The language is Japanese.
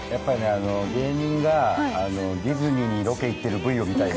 芸人がディズニーにロケ行ってるＶ見たいね。